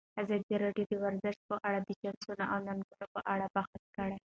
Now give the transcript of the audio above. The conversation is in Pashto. ازادي راډیو د ورزش په اړه د چانسونو او ننګونو په اړه بحث کړی.